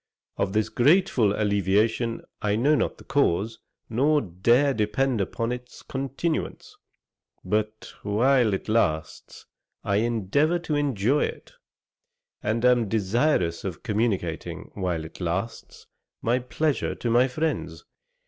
Of this grateful alleviation I know not the cause, nor dare depend upon its continuance, but while it lasts I endeavour to enjoy it, and am desirous of communicating, while it lasts, my pleasure to my friends.